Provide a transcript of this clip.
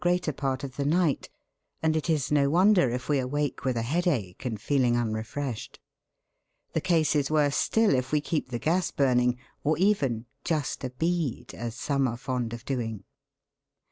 167 greater part of the night, and it is no wonder if we awake with a headache and feeling unrefreshed. The case is worse still if we keep the gas burning, or even " just a bead," as some are fond of doing.